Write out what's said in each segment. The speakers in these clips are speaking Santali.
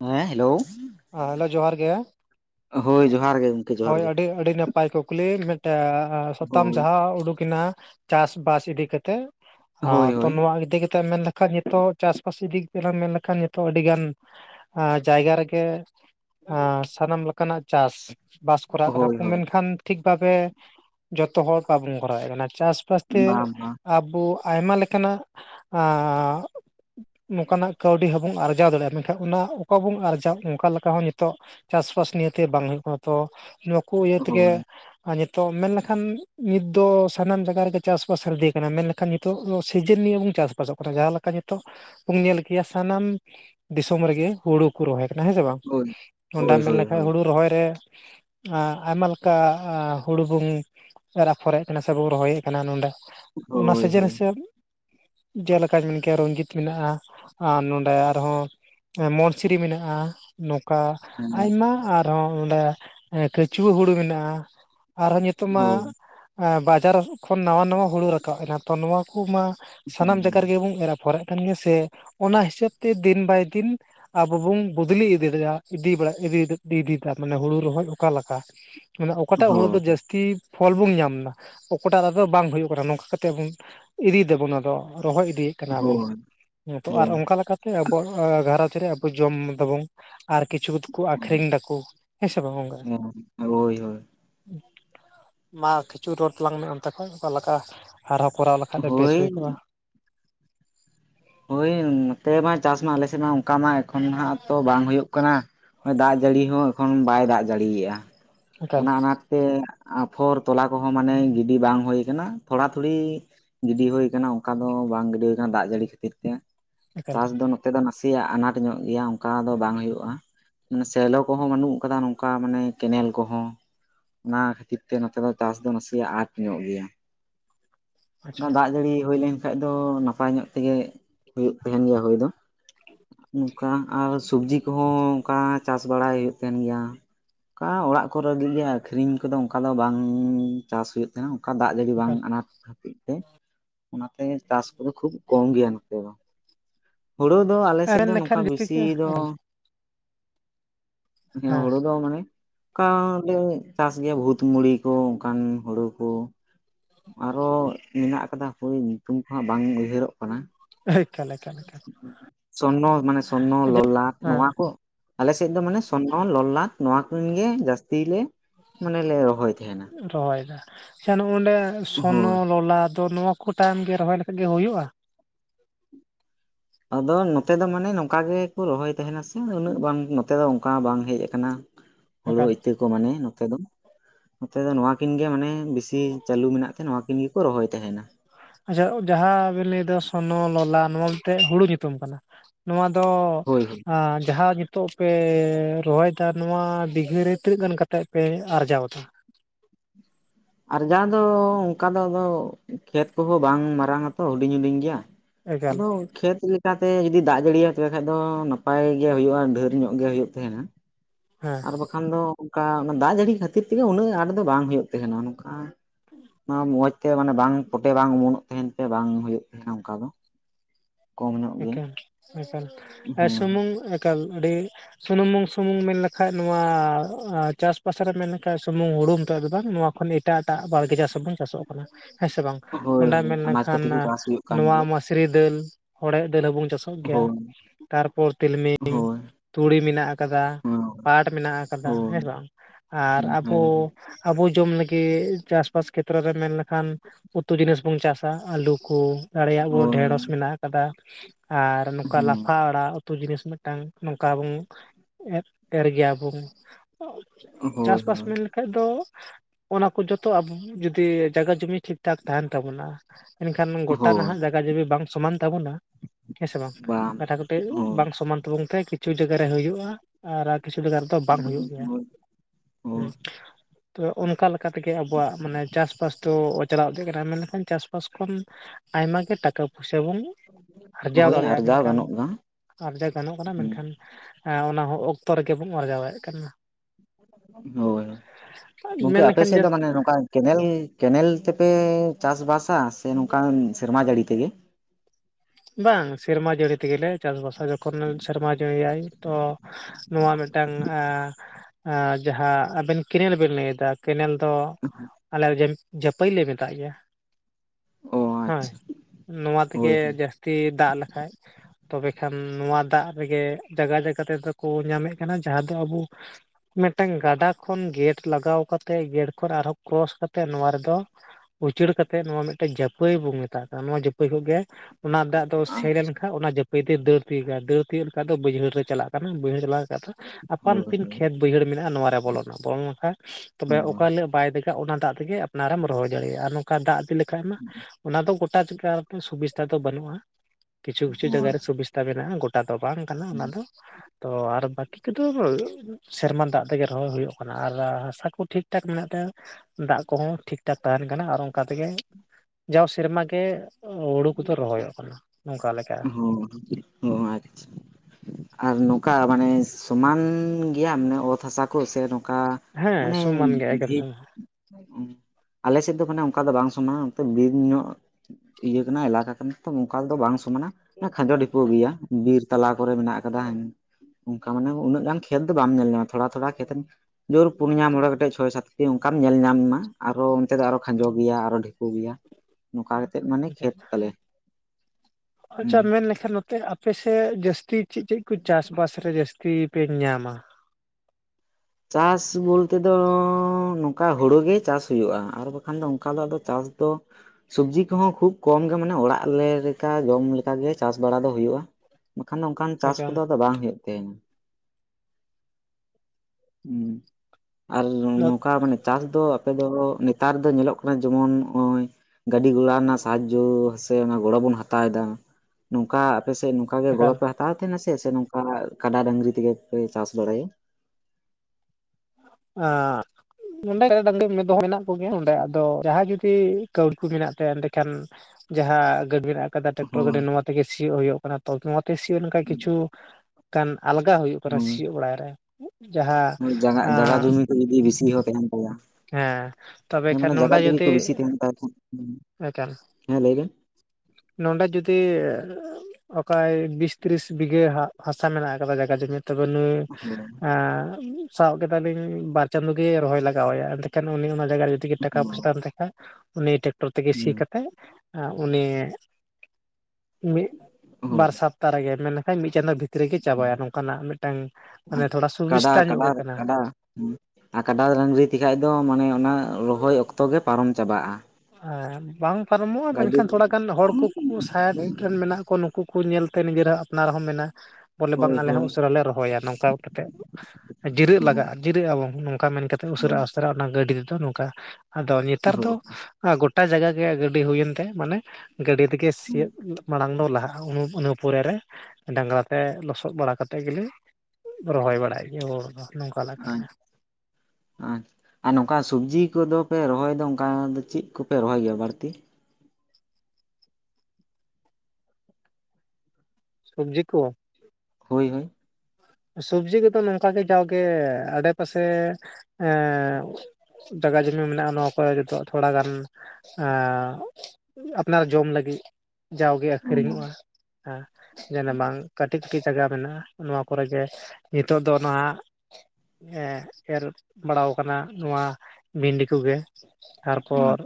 ᱦᱮᱸ ᱦᱮᱞᱳ [unintelligible] ᱦᱮᱞᱳ ᱡᱚᱦᱟᱨ ᱜᱮ ᱦᱳᱭ ᱡᱚᱦᱟᱨ ᱜᱮ ᱜᱚᱝ ᱦᱳᱭ ᱟᱹᱰᱤ ᱟᱹᱰᱤ ᱱᱟᱯᱟᱭ ᱠᱩᱠᱞᱤ ᱢᱤᱫᱴᱮᱱ ᱥᱟᱛᱟᱢ ᱦᱳᱭ ᱡᱟᱦᱟᱸ ᱩᱰᱩᱠᱮᱱᱟ ᱪᱟᱥ ᱵᱟᱥ ᱤᱫᱤ ᱠᱟᱛᱮᱜ ᱦᱳᱭ ᱛᱚ ᱦᱳᱭ ᱱᱚᱣᱟ ᱤᱫᱤ ᱢᱮᱱ ᱞᱮᱠᱷᱟᱡ ᱱᱤᱛᱚᱜ ᱪᱟᱥᱵᱟᱥ ᱤᱫᱤ ᱠᱟᱛᱮᱞᱟᱝ ᱢᱮᱱ ᱞᱮᱠᱷᱟᱱ ᱱᱤᱛᱚᱜ ᱟᱹᱰᱤᱜᱟᱱ ᱡᱟᱭᱜᱟ ᱨᱮᱜᱮ ᱥᱟᱱᱟᱢ ᱞᱮᱠᱟᱱᱟᱜ ᱪᱟᱥ ᱵᱟᱥ ᱠᱚᱨᱟᱜ ᱠᱟᱱᱟ ᱦᱳᱭ ᱠᱚ ᱦᱳᱭ ᱢᱮᱱᱠᱷᱟᱱ ᱴᱷᱤᱠ ᱵᱷᱟᱵᱮ ᱡᱚᱛᱚ ᱦᱚᱲ ᱵᱟᱵᱚᱱ ᱠᱚᱨᱟᱣᱮᱫ ᱠᱟᱱᱟ ᱪᱟᱥ ᱯᱟᱥ ᱛᱮ ᱵᱟᱝ ᱵᱟᱝ ᱟᱵᱚ ᱟᱭᱢᱟ ᱞᱮᱠᱟᱱᱟᱜ ᱟᱸᱜᱻ ᱱᱚᱝᱠᱟᱱᱟᱜ ᱠᱟᱹᱣᱰᱤ ᱦᱚᱸᱵᱚᱱ ᱟᱨᱡᱟᱣ ᱫᱟᱲᱮᱭᱟᱜ-ᱟ ᱢᱮᱱᱠᱷᱟᱡ ᱚᱱᱟ ᱚᱠᱟ ᱵᱚᱱ ᱟᱨᱡᱟᱣ ᱚᱱᱠᱟ ᱞᱮᱠᱟ ᱦᱚᱸ ᱱᱤᱛᱚᱜ ᱪᱟᱥᱵᱟᱥ ᱱᱤᱭᱟᱹᱛᱮ ᱵᱟᱝ ᱦᱩᱭᱩᱜ ᱠᱟᱱᱟ ᱛᱚ, ᱱᱚᱠᱩ ᱤᱭᱟᱹ ᱛᱮᱜᱮ ᱦᱳᱭ ᱟᱨ ᱱᱤᱛᱚᱜ ᱢᱮᱱ ᱞᱮᱠᱷᱟᱱ ᱱᱤᱛ ᱫᱚ ᱥᱟᱱᱟᱢ ᱡᱟᱭᱜᱟ ᱨᱮᱜᱮ ᱪᱟᱥᱵᱟᱥ ᱥᱟᱹᱨᱫᱤᱭ ᱠᱟᱱᱟ ᱢᱮᱱ ᱞᱮᱠᱷᱟᱱ ᱛᱚᱜ ᱫᱚ ᱥᱤᱡᱤᱱ ᱱᱤᱭᱮ ᱵᱚᱱ ᱪᱟᱥᱵᱟᱥᱚᱜ ᱠᱟᱱᱟ, ᱡᱟᱦᱟᱸ ᱞᱮᱠᱟ ᱱᱤᱛᱚᱜ ᱵᱚᱱ ᱧᱮᱞ ᱠᱮᱭᱟ ᱥᱟᱱᱟᱢ ᱫᱤᱥᱚᱢ ᱨᱮᱜᱮ ᱦᱩᱲᱩ ᱠᱚ ᱨᱚᱦᱚᱭ ᱠᱟᱱᱟ ᱦᱮᱸ ᱥᱮ ᱵᱟᱝ, ᱦᱳᱭ ᱦᱳᱭ ᱚᱸᱰᱮᱢ ᱢᱮᱱ ᱦᱳᱭ ᱞᱮᱠᱷᱟᱡ ᱦᱳᱭ ᱦᱩᱲᱩ ᱨᱚᱦᱚᱭ ᱨᱮ ᱟ-ᱟᱭᱢᱟ ᱞᱮᱠᱟ ᱟ ᱦᱩᱲᱩ ᱵᱚᱱ ᱮᱨ ᱟᱯᱷᱚᱨᱮᱫ ᱠᱟᱱᱟ ᱥᱮᱵᱚᱱ ᱨᱚᱦᱚᱭᱮᱫ ᱠᱟᱱᱟ ᱱᱚᱰᱮ ᱚᱱᱟ ᱦᱳᱭ ᱥᱤᱡᱤᱱ ᱦᱳᱭ ᱦᱤᱥᱟᱹᱵᱽ ᱡᱮᱞᱮᱠᱟᱧ ᱢᱮᱱ ᱠᱮᱭᱟ ᱨᱚᱧᱡᱤᱛ ᱢᱮᱱᱟᱜᱼᱟ ᱟᱨ ᱱᱚᱰᱮ ᱟᱨᱦᱚᱸ ᱢᱚᱱᱥᱤᱨᱤ ᱢᱮᱱᱟᱜᱼᱟ᱾ ᱱᱚᱝᱠᱟ ᱦᱮᱸ ᱟᱭᱢᱟ ᱟᱨᱦᱚᱸ ᱱᱚᱰᱮ ᱠᱟᱹᱪᱩᱣᱟᱹ ᱦᱩᱲᱩ ᱢᱮᱱᱟᱜᱼᱟ᱾ ᱟᱨᱦᱚᱸ ᱱᱤᱛᱚᱜ ᱢᱟ ᱦᱳᱭ ᱵᱟᱡᱟᱨ ᱠᱷᱚᱱ ᱱᱟᱶᱟ ᱱᱟᱶᱟ ᱦᱩᱲᱩ ᱨᱟᱠᱟᱵ ᱮᱱᱟ ᱛᱚ, ᱱᱚᱣᱟ ᱠᱩ ᱢᱟ ᱥᱟᱱᱟᱢ ᱡᱟᱜᱟ ᱦᱳᱭ ᱨᱮᱜᱮ ᱵᱚᱱ ᱮᱨ ᱟᱯᱷᱚᱨᱮᱫ ᱠᱟᱱ ᱜᱮᱭᱟ ᱥᱮ ᱚᱱᱟ ᱦᱤᱥᱟᱹᱵᱽ ᱛᱮ ᱫᱤᱱ ᱵᱟᱭ ᱫᱤᱱ ᱟᱵᱚ ᱵᱚᱱ ᱵᱚᱫᱞᱤ ᱤᱫᱤᱫᱮᱭᱟ ᱤᱫᱤ ᱵᱟᱲᱟᱭᱮᱫ ᱤᱫᱤ ᱤᱫᱤᱭᱮᱫᱟ ᱢᱟᱱᱮ ᱦᱩᱲᱩ ᱨᱚᱦᱚᱭ ᱚᱠᱟ ᱞᱮᱠᱟ, ᱢᱟᱱᱮ ᱚᱠᱟᱴᱟᱜ ᱦᱩᱲᱩ ᱫᱚ ᱡᱟᱹᱥᱛᱤ ᱯᱷᱚᱞ ᱵᱚᱱ ᱧᱟᱢ ᱮᱫᱟ ᱚᱠᱟᱴᱟᱜ ᱨᱮᱫᱚ ᱵᱟᱝ ᱦᱩᱭᱩᱜ ᱠᱟᱱᱟ ᱱᱚᱝᱠᱟ ᱠᱟᱛᱮᱫ ᱵᱚᱱ ᱤᱫᱤᱭ ᱫᱟᱵᱚᱱ ᱟᱫᱚ ᱨᱚᱦᱚᱭ ᱤᱫᱤ ᱠᱟᱱᱟ ᱵᱚᱱ ᱦᱳᱭ ᱛᱚ ᱟᱨ ᱦᱳᱭ ᱚᱱᱠᱟ ᱞᱮᱠᱟᱛᱮ ᱟᱵᱚᱣᱟᱜ ᱜᱷᱟᱨᱚᱸᱡᱽ ᱨᱮ ᱟᱵᱚ ᱡᱚᱢ ᱫᱟᱵᱚᱱ᱾ ᱟᱨ ᱠᱤᱪᱷᱩ ᱫᱚᱠᱚ ᱟᱠᱷᱨᱤᱧ ᱫᱟᱠᱚ ᱦᱮᱸᱥᱮ ᱵᱟᱝ ᱚᱝᱠᱟ ᱾ ᱦᱳᱭ ᱦᱳᱭ ᱢᱟ ᱠᱷᱤᱪᱩ ᱨᱚᱲ ᱛᱟᱞᱟᱝ ᱢᱮᱱ ᱚᱱᱛᱮ ᱠᱷᱚᱡ, ᱚᱠᱟ ᱞᱮᱠᱟ ᱟᱨᱦᱚᱸ ᱠᱚᱨᱟᱣ ᱞᱮᱠᱷᱟᱡ ᱫᱚ ᱵᱮᱥ ᱦᱳᱭ ᱦᱩᱭ ᱠᱚᱜᱼᱟ ᱾ ᱦᱳᱭ ᱱᱚᱛᱮ ᱢᱟ ᱪᱟᱥ ᱢᱟ ᱟᱞᱮ ᱥᱮᱫ ᱢᱟ ᱚᱱᱠᱟ ᱢᱟ ᱮᱠᱷᱚᱱ ᱦᱟᱸᱜ ᱛᱚ ᱵᱟᱝ ᱦᱳᱭᱳᱜ ᱠᱟᱱᱟ, ᱫᱟᱜ ᱡᱟᱹᱲᱤ ᱦᱚᱸ ᱮᱠᱷᱚᱱ ᱵᱟᱭ ᱫᱟᱜ ᱡᱟᱹᱲᱤᱭᱮᱜᱼᱟ᱾ ᱮᱠᱟᱞ ᱚᱱᱟ ᱟᱱᱟᱴ ᱛᱮ ᱟᱯᱷᱚᱨ ᱛᱚᱞᱟ ᱠᱚᱦᱚᱸ ᱢᱟᱱᱮ ᱜᱤᱰᱤ ᱵᱟᱝ ᱦᱩᱭ ᱠᱟᱱᱟ, ᱛᱷᱚᱲᱟ ᱛᱷᱩᱲᱤ ᱜᱤᱰᱤ ᱦᱳᱭ ᱟᱠᱟᱱᱟ ᱚᱱᱠᱟ ᱫᱚ ᱵᱟᱝ ᱜᱤᱰᱤ ᱦᱳᱭ ᱟᱠᱟᱱᱟ ᱫᱟᱜ ᱡᱟᱹᱲᱤ ᱠᱷᱟᱹᱛᱤᱨ ᱛᱮ, ᱮᱠᱟᱞ ᱪᱟᱥ ᱫᱚ ᱛᱮ ᱫᱚ ᱱᱟᱥᱮᱭᱟᱜ ᱟᱱᱟᱴ ᱧᱚᱜ ᱜᱮᱭᱟ, ᱚᱱᱠᱟ ᱫᱚ ᱵᱟᱝ ᱦᱳᱭᱳᱜᱼᱟ᱾ ᱥᱮᱞᱚ ᱠᱚᱦᱚᱸ ᱵᱟᱹᱱᱩᱜ ᱟᱠᱟᱫᱟ ᱱᱚᱝᱠᱟ ᱢᱟᱱᱮ ᱠᱮᱱᱮᱞ ᱠᱚᱦᱚᱸ᱾ ᱚᱱᱟ ᱠᱷᱟᱹᱛᱤᱨ ᱛᱮ ᱱᱚᱛᱮ ᱫᱚ ᱪᱟᱥ ᱫᱚ ᱱᱟᱥᱮᱭᱟᱜ ᱟᱸᱴ ᱧᱚᱜ ᱜᱮᱭᱟ᱾ ᱟᱪᱪᱷᱟ ᱫᱟᱜ ᱡᱟᱹᱲᱤ ᱦᱩᱭ ᱞᱮᱱᱠᱷᱟᱡ ᱫᱚ ᱱᱟᱯᱟᱭ ᱧᱚᱜ ᱛᱮᱜᱮ ᱦᱳᱭᱳᱜ ᱛᱟᱦᱮᱱ ᱜᱮᱭᱟ ᱦᱳᱭ ᱫᱚ ᱱᱚᱝᱠᱟ ᱟᱨ ᱥᱚᱵᱽᱡᱤ ᱠᱚᱦᱚᱸ ᱚᱱᱠᱟ ᱪᱟᱥ ᱵᱟᱲᱟᱭ ᱛᱟᱦᱮᱱ ᱜᱮᱭᱟ, ᱚᱱᱠᱟ ᱚᱲᱟᱜ ᱠᱚᱨᱮ ᱜᱮ ᱟᱹᱠᱷᱨᱤᱧ ᱠᱚᱫᱚ ᱚᱱᱠᱟ ᱫᱚ ᱵᱟᱝᱻ ᱪᱟᱥ ᱦᱩᱭᱩᱜ ᱛᱟᱦᱮᱱᱟ, ᱚᱱᱠᱟ ᱫᱟᱜ ᱡᱟᱹᱲᱤ ᱵᱟᱝ ᱮᱠᱟᱞ ᱟᱱᱟᱴ ᱠᱷᱟᱹᱛᱤᱨ ᱛᱮ ᱚᱱᱟᱛᱮ ᱪᱟᱥ ᱠᱚᱫᱚ ᱠᱷᱩᱵ ᱠᱚᱢ ᱜᱮᱭᱟ ᱱᱚᱛᱮ ᱫᱚ᱾ ᱦᱩᱲᱩ ᱫᱚ ᱟᱞᱮ ᱥᱮᱫ ᱮᱢᱮᱱ ᱫᱚ ᱞᱮᱠᱷᱟᱱ ᱱᱚᱝᱠᱟ ᱡᱩᱠᱛᱤ ᱵᱮᱥᱤ ᱜᱮ ᱫᱚ ᱮᱠᱟᱞ ᱦᱮᱸ ᱦᱳᱲᱳ ᱫᱚ ᱢᱟᱱᱮ ᱚᱱᱠᱟ ᱞᱮ ᱪᱟᱥ ᱜᱮᱭᱟ ᱵᱷᱩᱛ ᱢᱩᱲᱤ ᱠᱚ ᱾ ᱚᱱᱠᱟᱱ ᱦᱩᱲᱩ ᱠᱚ᱾ ᱟᱨᱦᱚᱸ ᱢᱮᱱᱟᱜ ᱟᱠᱟᱫᱟ ᱦᱟᱯᱳᱭ ᱧᱩᱛᱩᱢ ᱠᱚᱦᱚᱸ ᱵᱟᱝ ᱩᱭᱦᱟᱹᱨᱚᱜ ᱠᱟᱱᱟ᱾ ᱮᱠᱟᱞ ᱮᱠᱟᱞ ᱮᱠᱟᱞ ᱥᱚᱨᱱᱚ ᱢᱟᱱᱮ ᱥᱚᱨᱱᱚ ᱦᱮᱸ ᱞᱚᱞᱟᱴ ᱱᱚᱣᱟ ᱠᱚ ᱾ ᱟᱞᱮ ᱥᱮᱫ ᱫᱚ ᱢᱟᱱᱮ ᱥᱚᱨᱱᱚ, ᱞᱚᱞᱟᱴ ᱱᱚᱣᱟ ᱠᱤᱱ ᱜᱮ ᱡᱟᱹᱥᱛᱤ ᱞᱮ ᱢᱟᱱᱮᱞᱮ ᱨᱚᱦᱚᱭ ᱛᱟᱦᱮᱱᱟ᱾ ᱨᱚᱦᱚᱭᱫᱟ ᱟᱪᱪᱷᱟ ᱱᱚᱜ ᱱᱚᱸᱰᱮ ᱦᱳᱭ ᱥᱚᱨᱱᱚ ᱞᱚᱞᱟᱴ ᱫᱚ ᱱᱚᱣᱟ ᱠᱚ ᱴᱟᱝ ᱜᱮ ᱨᱚᱦᱚᱭ ᱞᱮᱠᱷᱟᱡ ᱜᱮ ᱦᱩᱭᱩᱜᱼᱟ? ᱟᱫᱚ ᱱᱚᱛᱮ ᱫᱚ ᱢᱟᱱᱮ ᱱᱚᱝᱠᱟ ᱜᱮᱠᱚ ᱨᱚᱦᱚᱭ ᱛᱟᱦᱮᱱᱟ ᱥᱮ ᱩᱱᱟᱹᱜ ᱵᱟᱝ ᱱᱚᱛᱮ ᱫᱚ ᱚᱱᱠᱟ ᱵᱟᱝ ᱦᱮᱡ ᱟᱠᱟᱱᱟ᱾ [inaudible] ᱦᱳᱲᱳ ᱤᱛᱟᱹᱠᱚ ᱢᱟᱱᱮ ᱱᱚᱛᱮ ᱫᱚ ᱱᱚᱛᱮ ᱫᱚ ᱱᱚᱣᱟᱠᱤᱱ ᱜᱮ ᱢᱟᱱᱮ ᱵᱤᱥᱤ ᱪᱟᱹᱞᱩ ᱢᱮᱱᱟᱜ ᱛᱮ, ᱱᱚᱣᱟ ᱠᱤᱱ ᱜᱮᱠᱚ ᱨᱚᱦᱚᱭ ᱛᱟᱦᱮᱱᱟ᱾ ᱟᱪᱪᱷᱟ ᱡᱟᱦᱟᱸ ᱵᱮᱱ ᱞᱟᱹᱭ ᱮᱫᱟ ᱥᱚᱱᱱᱚ ᱞᱚᱞᱟ ᱱᱚᱣᱟ ᱢᱤᱫᱴᱮᱡ ᱦᱩᱲᱩ ᱧᱩᱛᱩᱢ ᱠᱟᱱᱟ ᱾ ᱱᱚᱣᱟ ᱫᱚ ᱦᱳᱭ ᱦᱳᱭ ᱟᱸᱻ ᱡᱟᱦᱟᱸ ᱱᱤ ᱛᱚᱜ ᱯᱮ ᱨᱚᱦᱚᱭ ᱮᱫᱟ ᱾ ᱱᱚᱣᱟ ᱵᱤᱜᱷᱟᱹ ᱨᱮ ᱛᱤᱱᱟᱹᱜ ᱜᱟᱱ ᱠᱟᱛᱮᱫ ᱯᱮ ᱟᱨᱡᱟᱣ ᱮᱫᱟ? ᱟᱨᱡᱟᱣ ᱫᱚ ᱚᱱᱠᱟ ᱫᱚ ᱟᱫᱚ ᱠᱷᱮᱛ ᱠᱚᱦᱚᱸ ᱵᱟᱝ ᱢᱟᱨᱟᱝᱟ ᱛᱚ ᱦᱩᱰᱤᱧ ᱦᱩᱰᱤᱧ ᱜᱮᱭᱟ ᱾ ᱮᱠᱟᱞ ᱟᱫᱚ ᱠᱷᱮᱛ ᱞᱮ ᱠᱟᱛᱮ ᱡᱩᱫᱤ ᱫᱟᱜ ᱡᱟᱹᱲᱤᱭᱟᱭ ᱛᱚᱵᱮ ᱠᱷᱟᱡ ᱫᱚ ᱱᱟᱯᱟᱭ ᱜᱮ ᱦᱩᱭᱩᱜᱼᱟ ᱾ ᱰᱷᱮᱨ ᱧᱚᱜ ᱜᱮ ᱦᱩᱭᱩᱜ ᱛᱟᱦᱮᱱᱟ ᱾ ᱦᱮᱸ ᱵᱟᱠᱷᱟᱱ ᱫᱚ ᱚᱱᱠᱟ ᱚᱱᱟ ᱫᱟᱜ ᱡᱟᱹᱲᱤ ᱠᱷᱟᱹᱛᱤᱨ ᱛᱮᱜᱮ ᱩᱱᱟᱹᱜ ᱟᱸᱴ ᱫᱚ ᱵᱟᱝ ᱦᱩᱭᱩᱜ ᱛᱟᱦᱮᱱᱟ ᱾ ᱱᱚᱝᱠᱟ ᱚᱱᱟ ᱢᱚᱡᱽ ᱛᱮ ᱢᱟᱱᱮ ᱵᱟᱝ ᱯᱚᱴᱮ ᱵᱟᱝ ᱚᱢᱚᱱᱚᱜ ᱛᱟᱦᱮᱱ ᱛᱮ ᱵᱟᱝ ᱦᱩᱭᱩᱜ ᱛᱟᱦᱮᱱᱟ ᱚᱱᱠᱟ ᱫᱚ ᱾ ᱮᱠᱟᱞ ᱮᱠᱟᱞ ᱦᱳᱭ ᱥᱩᱢᱩᱝ ᱮᱠᱟᱞ ᱟᱹᱰᱤ ᱥᱩᱱᱩᱢᱩᱝ ᱥᱩᱢᱩᱝ ᱢᱮᱱ ᱞᱮᱠᱷᱟᱡ ᱱᱚᱣᱟ ᱟᱸ ᱪᱟᱥ ᱵᱟᱥ ᱨᱮ ᱢᱮᱱ ᱞᱮᱠᱷᱟᱡ ᱥᱩᱢᱩᱝ ᱦᱩᱲᱩ ᱢᱚᱛᱚ ᱫᱚ ᱵᱟᱝ ᱱᱚᱣᱟ ᱠᱷᱟᱹᱞᱤ ᱮᱴᱟᱜ ᱮᱴᱟᱜ ᱵᱟᱲᱜᱮ ᱪᱟᱥ ᱦᱚᱸ ᱵᱚᱱ ᱪᱟᱥᱚᱜ ᱠᱟᱱᱟ ᱾ ᱦᱮᱸᱥᱮ ᱵᱟᱝ ᱦᱳᱭ ᱱᱚᱰᱮ ᱦᱳᱭ ᱢᱮᱱ ᱟᱱᱟᱡ ᱞᱮᱠᱷᱟᱱ ᱯᱟᱹᱛᱤ ᱠᱚ ᱪᱟᱥ ᱦᱩᱭᱩᱜ ᱠᱟᱱ ᱱᱚᱣᱟ ᱜᱮᱭᱟ ᱢᱟᱥᱨᱤ ᱫᱟᱹᱞ ᱦᱚᱲᱮᱫ ᱫᱟᱹᱞ ᱦᱚ ᱵᱚᱱ ᱪᱟᱥ ᱦᱳᱭ ᱾ ᱛᱟᱨᱯᱚᱨ ᱛᱤᱞᱢᱤᱧ ᱛᱩᱲᱤ ᱢᱮᱱᱟᱜ ᱟᱠᱟᱫᱟ ᱦᱮᱸ, ᱯᱟᱴ ᱢᱮᱱᱟᱜ ᱟᱠᱟᱫᱟ ᱦᱳᱭ ᱦᱮᱸ ᱵᱟᱝ ᱟᱨ ᱦᱮᱸ ᱟᱵᱚ ᱦᱮᱸ, ᱟᱵᱚ ᱡᱚᱢ ᱞᱟᱹᱜᱤᱫ ᱪᱟᱥᱵᱟᱥ ᱠᱷᱮᱛᱨᱚ ᱨᱮ ᱢᱮᱱ ᱞᱮᱠᱷᱟᱱ ᱩᱛᱩ ᱡᱤᱱᱤᱥ ᱵᱚᱱ ᱪᱟᱥᱟ ᱟᱹᱞᱩ ᱠᱚ ᱾ [unintelligible] ᱦᱳᱭ ᱰᱷᱮᱸᱲᱚᱥ ᱢᱮᱱᱟᱜ ᱟᱠᱟᱫᱟ ᱟᱨ ᱱᱚᱝᱠᱟ ᱞᱟᱯᱷᱟ ᱦᱮᱸ ᱚᱲᱟᱜ ᱩᱛᱩ ᱡᱤᱱᱤᱥ ᱢᱤᱫᱴᱟᱝ ᱱᱚᱝᱠᱟ ᱵᱚᱱ ᱮ-ᱮᱨ ᱜᱮᱭᱟ ᱵᱚᱱ ᱾ ᱦᱳᱭ ᱪᱟᱥᱵᱟᱥ ᱦᱳᱭ ᱢᱮᱱ ᱞᱮ ᱠᱷᱟᱡ ᱫᱚ ᱚᱱᱟ ᱠᱚ ᱡᱚᱛᱚ ᱟᱵᱚ ᱡᱩᱫᱤ ᱡᱟᱭᱜᱟ ᱡᱩᱢᱤ ᱴᱷᱤᱠ ᱴᱷᱟᱠ ᱛᱟᱦᱮᱱ ᱛᱟᱵᱚᱱᱟ ᱾ ᱮᱱᱠᱷᱟᱱ ᱜᱚᱴᱟ ᱦᱳᱭ ᱱᱟᱦᱟᱜ ᱡᱟᱭᱜᱟ ᱡᱩᱢᱤ ᱵᱟᱝ ᱥᱚᱢᱟᱱ ᱛᱟᱵᱚᱱᱟ ᱦᱮᱸ ᱥᱮ ᱵᱟᱝ ᱾ ᱵᱟᱝ ᱾ ᱠᱟᱴᱷᱟ ᱠᱟᱹᱴᱤᱡ ᱵᱟᱝ ᱥᱚᱢᱟᱱ ᱛᱟᱵᱚᱱ ᱛᱮ ᱠᱤᱪᱷᱩ ᱡᱟᱭᱜᱟ ᱨᱮ ᱦᱩᱭᱩᱜᱼᱟ ᱟᱨ ᱠᱤᱪᱷᱩ ᱡᱟᱭᱜᱟ ᱛᱚ ᱵᱟᱝ ᱦᱩᱭᱩᱜ ᱜᱮᱭᱟ ᱦᱳᱭ ᱾ [inaudible] ᱦᱩᱸ ᱦᱳᱭ, ᱾ ᱛᱚᱵᱮ ᱚᱱᱠᱟ ᱞᱮᱠᱟ ᱛᱮᱜᱮ ᱟᱵᱚᱣᱟᱜ ᱢᱟᱱᱮ ᱪᱟᱥᱵᱟᱥ ᱫᱚ ᱚ ᱪᱟᱞᱟᱣ ᱤᱫᱤᱜ ᱠᱟᱱᱟ ᱢᱮᱱᱠᱷᱟᱱ ᱪᱟᱥᱵᱟᱥ ᱠᱷᱚᱱ ᱟᱭᱢᱟ ᱜᱮ ᱴᱟᱠᱟ ᱯᱩᱭᱥᱟᱹ ᱵᱚᱱ ᱟᱨᱡᱟᱣ ᱦᱳᱭ ᱫᱟᱲᱮᱭᱟᱜᱼᱟ ᱟᱨᱡᱟᱣ ᱢᱮᱱᱠᱷᱟᱱ ᱜᱟᱱᱚᱜ ᱜᱮᱭᱟ ᱟᱨᱡᱟᱣ ᱜᱟᱱᱚᱜ ᱠᱟᱱᱟ ᱢᱮᱱᱠᱷᱟᱱ ᱮᱸᱻ ᱚᱱᱟ ᱦᱚᱸ ᱚᱠᱛᱚ ᱨᱮᱜᱮ ᱵᱚᱱ ᱟᱨᱡᱟᱣᱮᱫ ᱠᱟᱱᱟ ᱾ ᱦᱳᱭ ᱜᱚᱝᱠᱮ ᱢᱮᱱ ᱟᱯᱮ ᱞᱮᱠᱷᱟᱱ ᱥᱮᱫ ᱫᱚ ᱡᱟᱥ ᱢᱟᱱᱮ ᱱᱚᱝᱠᱟ ᱠᱮᱱᱮᱞ ᱠᱮᱱᱮᱞ ᱛᱮᱯᱮ ᱪᱟᱥ ᱵᱟᱥᱟ ᱥᱮ ᱱᱚᱝᱠᱟᱱ ᱥᱮᱨᱢᱟ ᱡᱟᱹᱲᱤ ᱛᱮᱜᱮ? ᱵᱟᱝ, ᱥᱮᱨᱢᱟ ᱡᱟᱹᱲᱤ ᱛᱮᱜᱮ ᱞᱮ ᱪᱟᱥᱵᱟᱥᱟ ᱾ ᱡᱚᱠᱷᱚᱱ ᱥᱮᱨᱢᱟ ᱡᱟᱹᱲᱤᱭᱟᱭ ᱛᱚ ᱱᱚᱣᱟ ᱢᱤᱫᱴᱟᱝ ᱟᱸ ᱟᱸ ᱡᱟᱦᱟᱸ ᱟᱵᱮᱱ ᱠᱮᱱᱮᱞ ᱵᱮᱱ ᱞᱟᱹᱭ ᱮᱫᱟ ᱠᱮᱱᱮᱞ ᱫᱚ [inaudible] ᱟᱞᱮ ᱡᱟᱹ ᱡᱟᱹᱯᱟᱹᱭ ᱞᱮ ᱢᱮᱛᱟᱜ ᱜᱮᱭᱟ ᱚ ᱾ ᱦᱳᱭ ᱟᱪᱪᱷᱟ ᱱᱚᱣᱟ ᱛᱮᱜᱮ ᱦᱳᱭ ᱦᱳᱭ ᱡᱟᱹᱥᱛᱤ ᱫᱟᱜ ᱞᱮᱠᱷᱟᱡ ᱛᱚᱵᱮ ᱠᱷᱟᱱ ᱱᱚᱣᱟ ᱫᱟᱜ ᱨᱮᱜᱮ ᱡᱟᱭᱜᱟ ᱡᱟᱭᱜᱟ ᱛᱮᱫᱚ ᱠᱚ ᱧᱟᱢᱮᱫ ᱠᱟᱱᱟ ᱡᱟᱦᱟᱸ ᱫᱚ ᱟᱵᱚ ᱢᱤᱫᱴᱟᱝ ᱜᱟᱰᱟ ᱠᱷᱚᱱ ᱜᱮᱴ ᱞᱟᱜᱟᱣ ᱠᱟᱛᱮᱜ ᱜᱮᱴ ᱠᱷᱚᱱ ᱟᱨᱦᱚᱸ ᱠᱨᱚᱥ ᱠᱟᱛᱮᱫ ᱱᱚᱣᱟ ᱨᱮᱫᱚ ᱩᱪᱟᱹᱲ ᱠᱟᱛᱮᱜ ᱱᱚᱣᱟ ᱢᱤᱫᱴᱮᱡ ᱡᱟᱹᱯᱟᱹᱭ ᱵᱚᱱ ᱢᱮᱛᱟᱜ ᱠᱟᱱᱟ ᱾ ᱱᱚᱣᱟ ᱡᱟᱹᱯᱟᱹᱭ ᱠᱷᱚᱡ ᱜᱮ ᱚᱱᱟ ᱫᱟᱜ ᱫᱚ ᱟ ᱥᱮ ᱦᱟᱸᱜ ᱚᱱᱟ ᱡᱟᱹᱯᱟᱹᱭ ᱛᱮᱭ ᱫᱟᱹᱲ ᱛᱤᱭᱟᱹᱜᱟ, ᱫᱟᱹᱲ ᱛᱤᱭᱳᱜ ᱞᱮᱠᱷᱟᱡ ᱫᱚ ᱵᱟᱹᱭᱦᱟᱹᱲ ᱨᱮ ᱪᱟᱞᱟᱜ ᱠᱟᱱᱟ ᱾ ᱵᱟᱹᱭᱦᱟᱹᱲ ᱪᱟᱞᱟᱣ [unintelligible] ᱟᱯᱟᱱ ᱦᱳᱭ ᱟᱯᱤᱱ ᱦᱳᱭ ᱠᱷᱮᱛ ᱵᱟᱹᱭᱦᱟᱹᱲ ᱢᱮᱱᱟᱜᱼᱟ, ᱱᱚᱣᱟ ᱨᱮ ᱵᱚᱞᱚᱱᱟ ᱾ ᱵᱚᱞᱚᱱ ᱞᱮᱠᱷᱟᱱ ᱛᱚᱵᱮ ᱦᱳᱭ ᱚᱠᱟ ᱦᱤᱞᱳᱜ ᱵᱟᱭ ᱫᱟᱜᱟ ᱚᱱᱟ ᱫᱟᱜ ᱛᱮᱜᱮ ᱟᱯᱱᱟᱨᱮᱢ ᱨᱚᱦᱚᱭ ᱫᱟᱲᱮᱭᱟᱜᱼᱟ ᱾ ᱟᱨ ᱱᱚᱝᱠᱟ ᱫᱟᱜ ᱤᱫᱤ ᱞᱮᱠᱷᱟᱡ ᱢᱟ ᱚᱱᱟ ᱫᱚ ᱜᱚᱴᱟ ᱪᱮᱫᱠᱟ ᱥᱩᱵᱤᱛᱟ ᱫᱚ ᱵᱟᱹᱱᱩᱜᱼᱟ ᱾ ᱠᱤᱪᱷᱩ ᱠᱤᱪᱷᱩ ᱡᱟᱭᱜᱟ ᱦᱳᱭ ᱨᱮ ᱥᱩᱵᱤᱥ ᱛᱟ ᱢᱮᱱᱟᱜᱼᱟ ᱜᱚᱴᱟ ᱫᱚ ᱵᱟᱝ ᱠᱟᱱᱟ ᱚᱱᱟ ᱫᱚ ᱾ ᱛᱚ ᱟᱨ ᱵᱟᱠᱤ ᱠᱚᱫᱚ ᱥᱮᱨᱢᱟ ᱫᱟᱜ ᱛᱮᱜᱮ ᱨᱚᱦᱚᱭ ᱦᱩᱭᱩᱜ ᱠᱟᱱᱟ ᱾ ᱟᱨ ᱦᱟᱥᱟ ᱠᱚ ᱴᱷᱤᱠ ᱴᱷᱟᱠ ᱢᱮᱱᱟᱜ ᱛᱮ ᱫᱟᱜ ᱠᱚᱦᱚᱸ ᱴᱷᱤᱠᱴᱷᱟᱠ ᱛᱟᱦᱮᱸᱱ ᱠᱟᱱᱟ ᱟᱨ ᱚᱱᱠᱟ ᱛᱮᱜᱮ ᱡᱟᱣ ᱥᱮᱨᱢᱟ ᱜᱮ ᱠᱩᱫᱚ ᱨᱚᱦᱚᱭᱚᱜ ᱠᱟᱱᱟ ᱱᱚᱝᱠᱟ ᱞᱮᱠᱟ᱾ ᱦᱩᱸ ᱦᱩᱸ ᱟᱪᱪᱷᱟ᱾ ᱟᱨ ᱱᱚᱠᱟ ᱢᱟᱱᱮ ᱥᱚᱢᱟᱱ ᱜᱮᱭᱟ ᱢᱟᱱᱮ ᱚᱛ ᱦᱟᱥᱟ ᱠᱚ ᱥᱮ ᱱᱚᱠᱟ ᱦᱮᱸ ᱢᱟᱱᱮ ᱥᱚᱢᱟᱱ ᱜᱮ ᱮᱠᱮᱱ ᱵᱷᱤᱛ ᱥᱚᱢᱟᱱ ᱚ ᱟᱞᱮ ᱥᱮᱫ ᱫᱚ ᱢᱟᱱᱮ ᱚᱱᱠᱟ ᱫᱚ ᱵᱟᱝ ᱥᱚᱢᱟᱱᱟ ᱵᱤᱨ ᱧᱚᱜ ᱤᱭᱟᱹ ᱠᱟᱱᱟ ᱮᱞᱟᱠᱟ ᱠᱟᱱᱟ ᱛᱚ ᱚᱝᱠᱟᱞ ᱫᱚ ᱵᱟᱝ ᱥᱚᱢᱟᱱᱟ᱾ ᱚᱱᱟ ᱠᱷᱟᱸᱡᱚ ᱰᱷᱤᱯᱟᱹ ᱜᱮᱭᱟ ᱵᱤᱨ ᱛᱟᱞᱟ ᱠᱚᱨᱮ ᱢᱮᱱᱟᱜ ᱠᱟᱫᱟ ᱚᱝᱠᱟ ᱢᱟᱱᱮ ᱩᱱᱟᱹᱜ ᱜᱟᱱ ᱠᱷᱮᱛ ᱫᱚ ᱵᱟᱢ ᱧᱮᱞ ᱧᱟᱢᱟ ᱛᱷᱚᱲᱟ ᱛᱷᱚᱲᱟ ᱠᱷᱮᱛᱮᱢ ᱡᱳᱨ ᱯᱩᱱᱭᱟ ᱢᱚᱬᱮ ᱜᱚᱴᱮᱡ ᱪᱷᱚᱭ ᱥᱟᱛ ᱴᱤ ᱚᱱᱠᱟᱢ ᱧᱮᱞ ᱧᱟᱢ ᱢᱟ, ᱟᱨᱚ ᱚᱱᱛᱮ ᱫᱚ ᱟᱨᱚ ᱠᱷᱟᱸᱡᱚ ᱜᱮᱭᱟ ᱟᱨᱚ ᱦᱚᱸ ᱰᱷᱤᱯᱩ ᱜᱮᱭᱟ᱾ [inaudible] ᱱᱚᱠᱟ ᱠᱟᱛᱮᱜ ᱢᱟᱱᱮ ᱠᱷᱮᱛ ᱛᱟᱞᱮ᱾ ᱦᱩᱸ ᱟᱪᱪᱷᱟ ᱢᱮᱱᱞᱠᱷᱟᱱ ᱱᱚᱛᱮ ᱟᱯᱮ ᱥᱮᱫ ᱡᱟᱹᱥᱛᱤ ᱪᱤᱫ ᱪᱤᱫ ᱠᱚ ᱪᱟᱥᱼᱵᱟᱥ ᱨᱮ ᱡᱟᱹᱥᱛᱤ ᱯᱮ ᱧᱟᱢᱟ? ᱪᱟᱥ ᱵᱚᱞᱛᱮ ᱫᱚ ᱱᱚᱝᱠᱟ ᱦᱩᱲᱩᱜ ᱜᱮ ᱪᱟᱥ ᱦᱩᱭᱩᱜᱼᱟ, ᱟᱨ ᱵᱟᱠᱷᱟᱱ ᱫᱚ ᱚᱱᱠᱟ ᱫᱚ ᱟᱫᱚ ᱪᱟᱥ ᱫᱚ ᱥᱚᱵᱡᱤ ᱠᱚᱦᱚᱸ ᱠᱷᱩᱵ ᱠᱚᱢ ᱜᱮ ᱢᱟᱱᱮ ᱚᱲᱟᱜ ᱞᱮᱠᱟ ᱡᱚᱢ ᱞᱮᱠᱟ ᱜᱮ ᱪᱟᱥ ᱵᱟᱲᱟ ᱫᱚ ᱦᱳᱭᱳᱜᱼᱟ᱾ ᱵᱟᱠᱷᱟᱱ ᱚᱱᱠᱟᱱ ᱪᱟᱥ ᱮᱠᱟᱞ ᱠᱚᱫᱚ ᱟᱫᱚ ᱵᱟᱝᱳᱜ ᱛᱟᱦᱮᱧ᱾ ᱦᱩᱸ ᱟᱨ ᱱᱚᱛ ᱱᱚᱝᱠᱟ ᱢᱟᱱᱮ ᱪᱟᱥ ᱫᱚ ᱟᱯᱮ ᱫᱚ ᱱᱮᱛᱟᱨ ᱫᱚ ᱧᱮᱞᱚᱜ ᱠᱟᱱᱟ ᱡᱮᱢᱚᱱ ᱱᱚᱜᱼᱚᱭ ᱜᱟᱹᱰᱤ ᱜᱷᱚᱲᱟ ᱨᱮᱱᱟᱜ ᱥᱟᱦᱟᱡᱡᱳ ᱥᱮ ᱜᱚᱲᱚ ᱵᱚᱱ ᱦᱟᱛᱟᱣ ᱫᱟ ᱱᱚᱝᱠᱟ ᱟᱯᱮᱥᱮᱜ ᱱᱚᱝᱠᱟ ᱜᱮ ᱮᱠᱟᱞ ᱜᱚᱲᱚᱯᱮ ᱦᱟᱛᱟᱣ ᱛᱟᱦᱮᱸᱱᱟ ᱥᱮ ᱥᱮ ᱱᱚᱝᱠᱟ ᱠᱟᱰᱟ ᱰᱟᱹᱝᱨᱤ ᱛᱮᱜᱮ ᱯᱮ ᱪᱟᱥ ᱵᱟᱲᱟᱭᱟ? ᱟᱸᱜ ᱱᱚᱸᱰᱮ ᱰᱟᱝᱨᱤ ᱢᱮ ᱫᱚ ᱦᱚ ᱢᱮᱱᱟᱜ ᱠᱚᱜᱮᱭᱟ ᱚᱸᱰᱮ ᱟᱫᱚ ᱡᱟᱦᱟᱸᱭ ᱡᱩᱫᱤ ᱠᱟᱹᱣᱲᱰᱤ ᱠᱚ ᱢᱮᱱᱟᱜ ᱛᱟᱭᱟ ᱮᱸᱰᱮᱠᱷᱟᱱ ᱡᱟᱦᱟᱸ ᱜᱟᱹᱰ ᱢᱮᱱᱟᱜᱼᱟ ᱟᱠᱟᱫᱟ ᱴᱟᱠᱴᱚᱨ ᱦᱳᱭ ᱜᱟᱹᱰᱤ ᱱᱚᱣᱟ ᱛᱮᱜᱮ ᱥᱤᱭᱳᱜ ᱦᱩᱭᱩᱜ ᱠᱟᱱᱟ ᱛᱚ ᱱᱚᱣᱟᱛᱮ ᱥᱤᱭᱳᱜ ᱞᱮᱱᱠᱷᱟᱱ ᱠᱤᱪᱷᱩ ᱠᱟᱱ ᱟᱞᱜᱟ ᱦᱩᱭᱩᱜ ᱠᱟᱱᱟ ᱥᱤᱭᱳᱜ ᱵᱟᱲᱟᱭ ᱨᱮ ᱡᱟᱦᱟᱸ ᱦᱳᱭ ᱡᱟᱜᱟ ᱡᱟᱜᱟ ᱟᱸ ᱡᱩᱢᱤ ᱠᱚ ᱡᱩᱫᱤ ᱵᱮᱥᱤ ᱦᱚᱸ ᱛᱟᱦᱮᱸᱱ ᱛᱟᱭᱟ, ᱦᱮᱸ ᱛᱚᱵᱮ ᱦᱮᱸ ᱠᱷᱟᱱ ᱢᱟᱱᱮ ᱱᱚᱰᱮ ᱡᱟᱜᱟ ᱡᱩᱫᱤ ᱠᱚ ᱵᱮᱥᱤ ᱛᱟᱦᱮᱸᱱ ᱛᱟᱭ ᱠᱷᱟᱡ, ᱮᱠᱟᱞ ᱦᱮᱸ ᱞᱟᱹᱭ ᱵᱮᱱ ᱱᱚᱰᱮ ᱡᱩᱫᱤ ᱚᱠᱚᱭ ᱵᱤᱥ ᱛᱤᱨᱤᱥ ᱵᱤᱜᱷᱟᱹ ᱦᱟᱸᱜ ᱦᱟᱥᱟ ᱢᱮᱱᱟᱜ ᱠᱟᱫᱟ ᱡᱟᱜᱟ ᱡᱩᱢᱤ ᱛᱚᱵᱮ ᱱᱩᱭ ᱥᱟᱵ ᱠᱮᱫᱟᱞᱤᱧ ᱵᱟᱨ ᱪᱟᱸᱫᱩ ᱜᱮ ᱨᱚᱦᱚᱭ ᱞᱟᱜᱟᱣᱮᱭᱟ ᱮᱱᱰᱮᱠᱷᱟᱱ ᱩᱱᱤ ᱚᱱᱟ ᱡᱟᱜᱟ ᱨᱮ ᱡᱩᱫᱤ ᱴᱟᱠᱟ ᱯᱚᱭᱥᱟ ᱛᱟᱢ ᱛᱟᱭ ᱠᱷᱟᱱᱡ ᱩᱱᱤ ᱴᱮᱠᱴᱚᱨ ᱛᱮᱜᱮ ᱥᱤ ᱠᱟᱛᱮ ᱮᱸ ᱩᱱᱤ ᱢᱤᱫ ᱵᱟᱨ ᱥᱚᱯᱛᱟ ᱨᱮᱜᱮ ᱢᱮᱱᱠᱷᱟᱡ ᱢᱤᱫ ᱪᱟᱸᱫᱳ ᱵᱷᱤ ᱛᱨᱤ ᱨᱮᱜᱮ ᱪᱟᱵᱟᱭᱟ ᱱᱚᱝᱠᱟᱱᱟᱜ ᱢᱤᱫᱴᱟᱝ ᱢᱟᱱᱮ ᱛᱷᱚᱲᱟ ᱥᱩᱵᱤᱥᱛᱟ ᱧᱚᱜᱟᱜ ᱠᱟᱱᱟ᱾ ᱦᱩᱸ ᱟ ᱠᱟᱰᱟ ᱰᱟᱝᱨᱤ ᱛᱮᱠᱷᱟᱡ ᱫᱚ ᱢᱟᱱᱮ ᱚᱱᱟ ᱨᱚᱦᱚᱭ ᱚᱠᱛᱚ ᱜᱮ ᱯᱟᱨᱚᱢ ᱪᱟᱵᱟᱜᱼᱟ᱾ ᱦᱮᱸ ᱵᱟᱝ ᱯᱟᱨᱚᱢᱚᱜᱼᱟ ᱜᱟᱡᱮ ᱢᱮᱱᱠᱷᱟᱱ ᱛᱷᱚᱲᱟ ᱜᱟᱱ ᱦᱚᱲ ᱠᱩᱠᱩ ᱥᱟᱭᱰ ᱨᱮᱱ ᱢᱮᱱᱟᱜ ᱠᱚ ᱱᱩᱠᱩ ᱩᱱᱠᱩ ᱠᱚ ᱧᱮᱞᱛᱮ ᱱᱤᱡᱮᱨ ᱟᱜ ᱟᱯᱱᱟᱨ ᱦᱚᱸ ᱢᱮᱱᱟ ᱵᱚᱞᱮ ᱵᱟᱝ ᱦᱳᱭ ᱟᱞᱮ ᱦᱚᱸ ᱦᱳᱭ ᱦᱳᱭ ᱩᱥᱟᱹᱨᱟ ᱞᱮ ᱨᱚᱦᱚᱭᱟ ᱱᱚᱝᱠᱟ ᱠᱟᱛᱮᱜ ᱡᱤᱨᱟᱹᱜ ᱞᱟᱜᱟᱜᱼᱟ ᱡᱤᱨᱟᱹᱜ ᱟᱵᱚᱱ ᱱᱚᱝᱠᱟ ᱢᱮᱱᱛᱮᱫ ᱩᱥᱟᱹᱨᱟ ᱱᱮᱛᱟᱨᱟᱜ ᱚᱱᱟ ᱜᱟᱹᱰᱤ ᱛᱮᱫᱚ ᱱᱚᱝᱠᱟ ᱟᱫᱚ ᱱᱮᱛᱟᱨ ᱫᱚ ᱟ-ᱜᱚᱴᱟ ᱡᱟᱜᱟ ᱜᱮ ᱜᱟᱹᱰᱤ ᱦᱩᱭᱮᱱ ᱛᱮ ᱢᱟᱱᱮ ᱜᱟᱹᱰᱤ ᱛᱮᱜᱮ ᱥᱤᱭᱚᱜ ᱢᱟᱲᱟᱝ ᱫᱚ ᱞᱟᱦᱟᱜᱼᱟ᱾ ᱩᱱᱩ ᱤᱱᱟᱹ ᱯᱚᱨᱮ ᱨᱮ ᱰᱟᱝᱨᱟ ᱛᱮ ᱞᱚᱥᱚᱫ ᱵᱟᱲᱟ ᱠᱟᱛᱮ ᱜᱮᱞᱮ ᱨᱚᱦᱚᱭ ᱵᱟᱲᱟᱭ ᱜᱮ ᱚ ᱱᱚᱝᱠᱟᱱᱟᱜ ᱠᱟᱛᱷᱟ᱾ ᱟᱪᱪᱷᱟ ᱟᱨ ᱱᱚᱝᱠᱟ ᱥᱚᱵᱡᱤ ᱠᱚᱫᱚ ᱯᱮ ᱨᱚᱦᱚᱭ ᱫᱚ ᱚᱝᱠᱟ ᱫᱚ ᱪᱮᱫ ᱠᱚᱯᱮ ᱨᱚᱦᱚᱭ ᱜᱮᱭᱟ ᱵᱟᱹᱲᱛᱤ? ᱥᱚᱵᱡᱤ ᱠᱚ? ᱦᱳᱭ ᱦᱳᱭ᱾ ᱥᱚᱵᱽᱡᱤ ᱠᱚᱫᱚ ᱱᱚᱝᱠᱟᱜᱮ ᱡᱟᱣᱜᱮ ᱟᱰᱮᱯᱟᱥᱮ ᱮᱸ ᱡᱟᱭᱜᱟ ᱡᱚᱢᱤ ᱢᱮᱱᱟᱜᱼᱟ ᱱᱚᱣᱟ ᱠᱚᱨᱮ ᱡᱚᱛᱚ ᱟᱜ ᱛᱷᱚᱲᱟᱜᱟᱱ ᱮᱸ ᱟᱯᱱᱟᱨ ᱡᱚᱢ ᱞᱟᱹᱜᱤᱫ, ᱡᱟᱣᱜᱮ ᱟᱹᱷᱨᱤᱧᱚᱜᱼᱟ ᱦᱮᱸ ᱡᱟᱣ ᱜᱮ ᱟᱹᱠᱷᱨᱤᱧᱚᱜ-ᱟ ᱦᱟᱸ ᱡᱮᱱᱮ ᱵᱟᱝ ᱠᱟᱹᱴᱤᱡ ᱜᱤ ᱡᱟᱭᱜᱟ ᱢᱮᱱᱟᱜᱼᱟ ᱱᱚᱣᱟ ᱠᱚ ᱠᱚᱨᱮ ᱜᱮ ᱱᱤᱛᱚᱜ ᱫᱚ ᱚᱱᱟ ᱦᱟᱜ ᱦᱮᱸ ᱮᱨ ᱵᱟᱲᱟᱣ ᱠᱟᱱᱟ ᱱᱚᱣᱟ ᱢᱤᱱᱤ ᱠᱚᱜᱮ᱾ ᱟᱪᱪᱷᱟ ᱛᱟᱨᱯᱚᱨ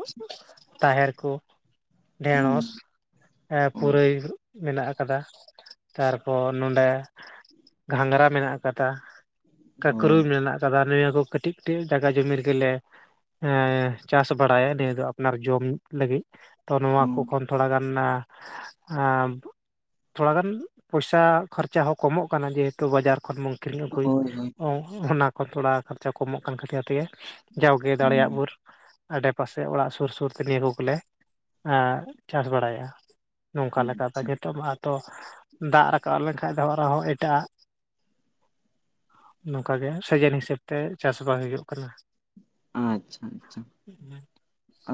ᱛᱟᱦᱮᱨ ᱠᱩ ᱰᱷᱮᱬᱚᱥ ᱦᱮᱸ ᱯᱩᱨᱟᱹᱭ ᱢᱮᱱᱟᱜ ᱟᱠᱟᱫᱟ, ᱛᱟᱨᱯᱚᱨ ᱱᱚᱸᱰᱮ ᱜᱷᱟᱸᱜᱨᱟ ᱢᱮᱱᱟᱜ ᱟᱠᱟᱫᱟ, ᱠᱟᱹᱠᱨᱩᱞ ᱢᱮᱱᱟᱜ ᱠᱟᱫᱟ ᱱᱤᱭᱟᱹ ᱠᱚ ᱠᱟᱹᱴᱤᱡ, ᱴᱤᱡ ᱡᱟᱭᱜᱟ ᱡᱩᱢᱤ ᱨᱮᱜᱮᱞᱮ ᱪᱟᱥ ᱵᱟᱲᱟᱭᱟ ᱱᱤᱭᱟᱹ ᱫᱚ ᱟᱯᱱᱟᱨ ᱡᱚᱢ ᱞᱟᱹᱜᱤᱫ, ᱛᱚ ᱱᱚᱣᱟ ᱠᱚ ᱠᱷᱚᱱ, ᱛᱷᱚᱲᱟᱜᱟᱱ ᱛᱷᱚᱲᱟᱜᱟᱱ ᱯᱚᱭᱥᱟ ᱠᱷᱚᱨᱪᱟ ᱦᱚᱸ ᱠᱚᱢᱚᱜ ᱠᱟᱱᱟ ᱡᱮᱦᱮᱛᱩ ᱵᱟᱡᱟᱨ ᱠᱷᱚᱱ ᱵᱚᱱ ᱠᱤᱨᱤᱧ ᱟᱹᱜᱩᱭ ᱦᱳᱭ ᱦᱳᱭ ᱚ ᱚᱱᱟ ᱠᱷᱚᱱ ᱛᱷᱚᱲᱟ ᱠᱷᱚᱨᱪᱟ ᱠᱚᱢᱚᱜ ᱠᱟᱱ ᱠᱷᱟᱹᱛᱤᱨ ᱛᱮᱜᱮ ᱡᱟᱣᱜᱮ ᱫᱟᱲᱮᱭᱟᱜ ᱵᱷᱩᱨ, ᱟᱰᱮᱯᱟᱥᱮ ᱚᱲᱟᱜ ᱥᱩᱨ ᱥᱩᱨᱛᱮ ᱞᱤᱵᱩ ᱠᱚᱞᱮ ᱮᱸ ᱪᱟᱥ ᱵᱟᱲᱟᱭᱟ, ᱱᱚᱝᱠᱟ ᱦᱳᱭ ᱞᱮᱠᱟᱛᱮ ᱡᱚᱛᱚᱢ ᱟᱛᱳ ᱫᱟᱜ ᱨᱟᱠᱟᱵ ᱞᱮᱠᱷᱟᱫ ᱫᱚ ᱟᱨᱦᱚᱸ ᱴᱟᱜ ᱱᱚᱝᱠᱟ ᱜᱮ ᱥᱮᱡᱮᱱ ᱦᱤᱥᱟᱹᱵ ᱛᱮ ᱪᱟᱥ ᱵᱟᱝ ᱦᱩᱭᱩᱜ ᱠᱟᱱᱟ᱾ ᱟᱪᱪᱷᱟ ᱟᱪᱪᱷᱟ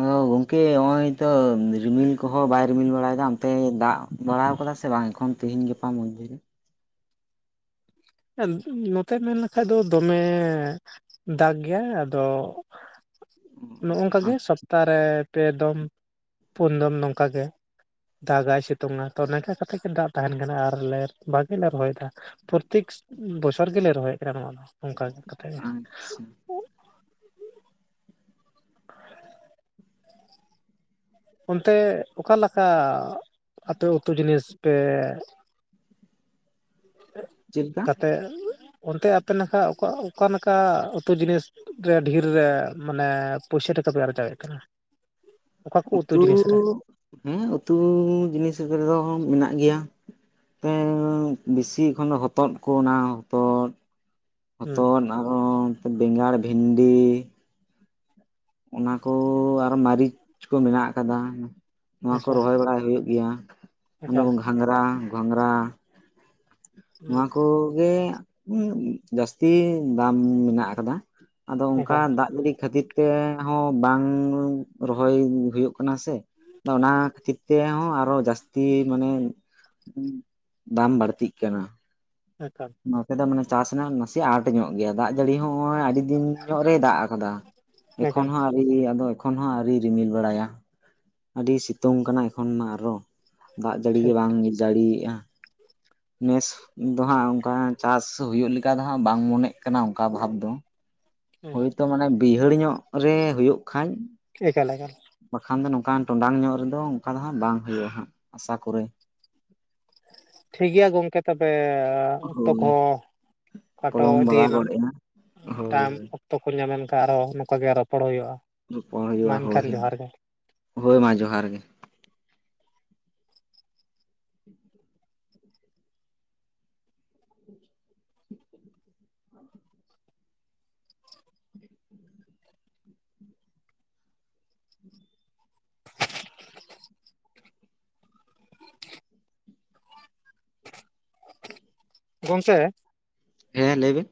ᱚ ᱜᱚᱝᱠᱮ ᱦᱸᱚᱭ ᱛᱚ ᱨᱤᱢᱤᱞ ᱠᱚᱦᱚᱸ ᱵᱟᱭ ᱨᱤᱢᱤᱞ ᱵᱟᱲᱟᱭᱮᱫᱟ ᱚᱱᱛᱮ ᱫᱟᱜ ᱵᱟᱲᱟᱣ ᱟᱠᱟᱫᱟ ᱥᱮ ᱵᱟᱝ ᱮᱠᱷᱚᱱ ᱛᱤᱦᱤᱧ ᱜᱟᱯᱟ ᱢᱚᱫᱽᱫᱷᱮ ᱨᱮ᱾ ᱱᱚᱛᱮ ᱢᱮᱱ ᱞᱮᱠᱷᱟ ᱫᱚ ᱫᱚᱢᱮ ᱫᱟᱜᱽ ᱜᱮᱭᱟᱭ ᱟᱫᱚ ᱱᱚᱜᱝᱠᱟᱜᱮ ᱥᱚᱯᱛᱟ ᱟᱨᱮ ᱯᱮ ᱫᱚᱢ ᱯᱩᱱ ᱫᱚᱢ ᱱᱚᱝᱠᱟ ᱜᱮ, ᱫᱟᱜᱟᱭ ᱥᱤᱛᱩᱝᱼᱟ ᱛᱚ ᱱᱚᱤᱝᱠᱟ ᱠᱟᱛᱮᱫ ᱜᱮ ᱫᱟᱜ ᱛᱟᱦᱮᱱ ᱠᱟᱱᱟ ᱟᱨᱞᱮ ᱵᱷᱟᱜᱮ ᱞᱮ ᱨᱚᱦᱚᱭᱮᱫᱟ᱾ ᱯᱨᱚᱛᱮᱠ ᱵᱚᱪᱷᱚᱨ ᱜᱮᱞᱮ ᱨᱚᱦᱚᱭᱮᱫ ᱠᱟᱱᱟ ᱱᱚᱣᱟ ᱫᱚ ᱚᱱᱠᱟ ᱠᱟᱛᱮᱫ ᱜᱮ᱾ ᱟᱪᱪᱷᱟ ᱪᱮᱫ [inaudible] ᱚᱱᱛᱮ ᱚᱠᱟᱮᱠᱟ ᱟᱹᱛᱩ ᱟᱛᱩ ᱡᱤᱱᱤᱥ ᱯᱮ, ᱞᱮᱠᱟ ᱠᱟᱛᱮᱫ ᱚᱱᱛᱮ ᱟᱯᱮ ᱱᱟᱠᱟᱷ ᱚᱠᱟᱞᱮᱠᱟ ᱩᱛᱩ ᱡᱤᱱᱤᱥ ᱨᱮ ᱰᱷᱤᱨ ᱨᱮ ᱢᱟᱱᱮ ᱯᱚᱭᱥᱟ ᱴᱟᱠᱟ ᱯᱮ ᱟᱨᱡᱟᱣ ᱮᱜ ᱠᱟᱱᱟ, ᱚᱠᱟ ᱠᱚ ᱩᱛᱩ ᱡᱤᱱᱤᱥ ᱨᱮ ᱦᱮᱸ ᱩᱛᱩ ᱡᱤᱱᱤᱥ ᱠᱚᱨᱮᱫᱚ ᱢᱮᱱᱟᱜ ᱜᱮᱭᱟ, ᱮᱸ ᱵᱤᱥᱤ ᱠᱷᱚᱱ ᱦᱚᱛᱚᱫ ᱠᱚ ᱚᱱᱟ ᱦᱚᱛᱚᱫ, ᱦᱩᱸ ᱦᱚᱛᱚᱫ ᱟᱨ ᱦᱚᱸ ᱵᱮᱸᱜᱟᱲ ᱵᱷᱮᱱᱰᱤ ᱚᱱᱟ ᱠᱚ ᱟᱨ ᱢᱟᱹᱨᱤᱪ ᱠᱚ ᱢᱮᱱᱟᱜ ᱟᱠᱟᱫᱟ᱾ ᱱᱚᱣᱟ ᱠᱚ ᱟᱪᱪᱷᱟ ᱨᱚᱦᱚᱭ ᱵᱟᱲᱟᱭ ᱦᱩᱭᱩᱜ ᱜᱮᱭᱟ ᱮᱠᱟᱞ ᱜᱷᱟᱸᱝᱨᱟ ᱜᱷᱟᱸᱝᱨᱟ, ᱦᱩᱸ ᱱᱚᱣᱟ ᱠᱚᱜᱮ, ᱩᱸ ᱡᱟᱹᱥᱛᱤ ᱫᱟᱢ ᱢᱮᱱᱟᱜ ᱟᱠᱟᱫᱟ ᱟᱫᱚ ᱚᱱᱠᱟ ᱮᱠᱟᱞ ᱫᱟᱜ ᱡᱟᱹᱲᱤ ᱠᱷᱟᱹᱛᱤᱨ ᱛᱮ ᱦᱚᱸ ᱵᱟᱝ ᱨᱚᱦᱚᱭ ᱦᱩᱭᱩᱜ ᱠᱟᱱᱟ ᱥᱮ ᱟᱫᱚ ᱚᱱᱟ ᱠᱷᱟᱹᱛᱤᱨ ᱛᱮᱦᱚᱸ ᱟᱨᱚ ᱡᱟᱹᱥ ᱛᱤ ᱢᱟᱱᱮ ᱫᱟᱢ ᱵᱟᱹᱲᱛᱤᱜ ᱠᱟᱱᱟ, [inaudible] ᱱᱚᱛᱮ ᱫᱚ ᱢᱟᱱᱮ ᱪᱟᱥ ᱨᱮᱱᱟᱜ ᱱᱟᱥᱮ ᱟᱸᱴ ᱧᱚᱜ ᱜᱮᱭᱟ ᱫᱟᱜ ᱡᱟᱹᱲᱤ ᱦᱚᱸ ᱱᱚᱜᱭ ᱟᱹᱰᱤ ᱫᱤᱱ ᱧᱚᱜ ᱨᱮᱭ ᱫᱟᱜ ᱠᱟᱫᱟ᱾ [inaudible] ᱮᱠᱷᱚᱱ ᱦᱚᱸ ᱟᱹᱣᱨᱤ ᱞᱟ. ᱭᱟ ᱮᱠᱷᱚᱱ ᱦᱚᱸ ᱟᱹᱣᱨᱤ ᱨᱤᱢᱤᱞ ᱵᱟᱲᱟᱭᱟ, ᱟᱹᱰᱤ ᱥᱤᱛᱩᱝ ᱠᱟᱱᱟ ᱮᱠᱷᱚᱱ ᱢᱟ, ᱟᱨᱚ ᱫᱟᱜ ᱡᱟᱹᱲᱤ ᱜᱮ, ᱴᱷᱤᱠ ᱵᱟᱝ ᱡᱟᱹᱲᱤ ᱭᱮᱜᱼᱟ ᱾ ᱱᱮᱥ ᱫᱚ ᱦᱟᱸᱜ, ᱚᱱᱠᱟ ᱪᱟᱥ ᱦᱩᱭᱩᱜ ᱞᱟᱹᱜᱤᱫ ᱠᱟ ᱫᱚ ᱦᱟᱸᱜ, ᱵᱟᱝ ᱢᱚᱱᱮᱜ ᱠᱟᱱᱟ, ᱚᱱᱠᱟ ᱵᱷᱟᱵᱽ ᱫᱚ ᱦᱳᱭ ᱛᱳ, ᱢᱟᱱᱮ ᱵᱟᱹᱭᱦᱟᱹᱲ ᱧᱚᱜ ᱨᱮ, ᱦᱳᱭᱳᱜ ᱠᱷᱟᱱ ᱮᱠᱟᱞ ᱮᱠᱟᱞ ᱾ ᱵᱟᱠᱷᱟᱱ ᱫᱚ, ᱱᱚᱝᱠᱟᱱ ᱴᱚᱸᱰᱟᱝ ᱧᱚᱜ ᱨᱮᱫᱚ, ᱚᱱᱠᱟ ᱫᱚ ᱦᱟᱸᱜ, ᱵᱟᱝ ᱦᱩᱭᱩᱜᱼᱟ ᱦᱟᱸᱜ, ᱟᱥᱟ ᱠᱚᱨᱮ ᱾ ᱴᱷᱤᱠ ᱜᱮᱭᱟ ᱜᱚᱝᱠᱮ ᱾ ᱛᱚᱵᱮ, ᱚᱠᱛᱚ ᱦᱳᱭ ᱠᱚᱦᱚᱸ, ᱠᱷᱟᱴᱚ ᱯᱚᱞᱚᱢ ᱤᱫᱤ ᱵᱟᱲᱟ ᱭᱟᱞᱟᱝ, ᱜᱚᱫ ᱮᱱᱟ ᱦᱳᱭ ᱴᱟᱭᱮᱢ ᱦᱳᱭ ᱚᱠᱛᱚ ᱠᱚ, ᱧᱟᱢᱮᱱ ᱠᱷᱟᱱ ᱟᱨᱚᱸ, ᱱᱚᱝᱠᱟ ᱜᱮ, ᱨᱚᱯᱚᱲ ᱦᱳᱭᱳᱜᱼᱟ ᱾ ᱨᱚᱯᱚᱲ ᱦᱩᱭᱩᱜᱼᱟ, ᱦᱳᱭ ᱾ ᱦᱳᱭ ᱢᱟ, ᱡᱚᱦᱟᱨ ᱜᱮ ᱾ [inaudible] ᱜᱚᱝᱥᱮ ᱾ ᱦᱮᱸ, ᱞᱟᱹᱭ ᱵᱮᱱ?